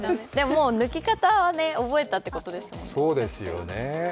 もう抜き方は覚えたということですもんね。